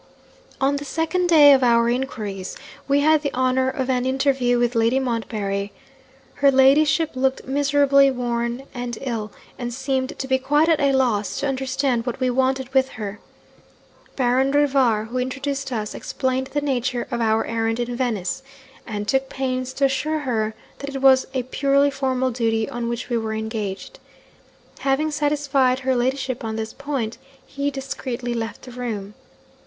'On the second day of our inquiries, we had the honour of an interview with Lady Montbarry. Her ladyship looked miserably worn and ill, and seemed to be quite at a loss to understand what we wanted with her. Baron Rivar, who introduced us, explained the nature of our errand in Venice, and took pains to assure her that it was a purely formal duty on which we were engaged. Having satisfied her ladyship on this point, he discreetly left the room.